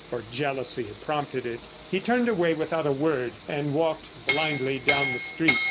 For jealousy had prompted it. He turned away without a word and walked blindly down the street.